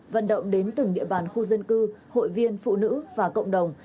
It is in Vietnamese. vận động đến từng địa bàn khu dân cư hội viên phụ nữ và cộng đồng